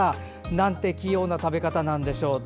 なんて器用な食べ方なんでしょう。